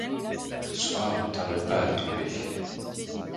Le soir ne tarda pas à tomber